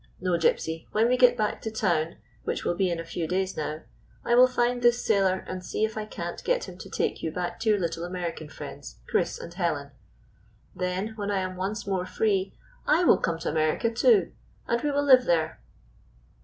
No, Gypsy, when we get back to town — which will be in a few days now — I will find this sailor and see if I can't get him to take you back to your little American friends, Chris and Helen. Then, when I am once more free, I will come to America, too, and we will live there."